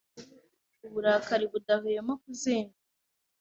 uburakari budahwema kuzenguruka